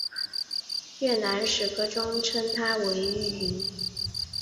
越南史料中称她为玉云。